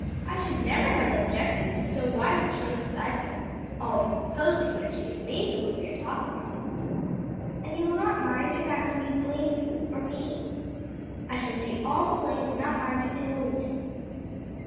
"I should never have objected to so wise a choice as Isa's always supposing that she has made the one we are talking of." "And you will not mind if Aunt Louise blames you? or me?" "I shall take all the blame and not mind it in the least."